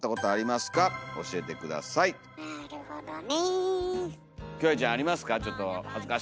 なるほど。